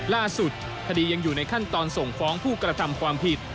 ล่าสุดคดียังอยู่ในขั้นตอนส่งฟ้องผู้กระทำความผิด